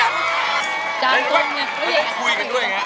ไม่ได้คุยกันด้วยไงหันหน้าไม่ได้คุยกันด้วยไง